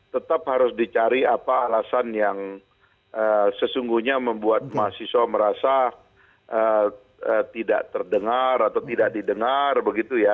tetap harus dicari apa alasan yang sesungguhnya membuat mahasiswa merasa tidak terdengar atau tidak didengar begitu ya